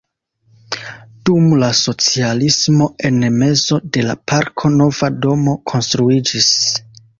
Dum la socialismo en mezo de la parko nova domo konstruiĝis.